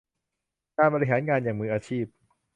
การบริหารงานอย่างมืออาชีพ